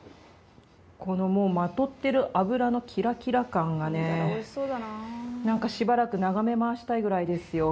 このまとってる脂のキラキラ感がねなんかしばらく眺めまわしたいくらいですよ。